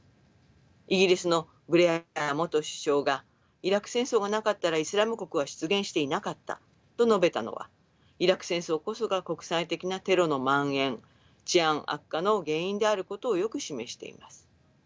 イギリスのブレア元首相がイラク戦争がなかったらイスラム国は出現していなかったと述べたのはイラク戦争こそが国際的なテロのまん延治安悪化の原因であることをよく示しています。